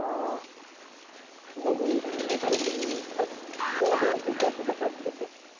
僕みたいな下手な者が打ったらどないなってるか分からんけど。